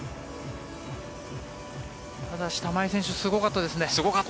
ただし玉井選手すごかったですね。